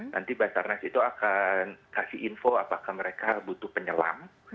nanti basarnas itu akan kasih info apakah mereka butuh penyelam